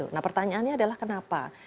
nah pertanyaannya adalah kenapa